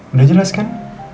udah jelas kan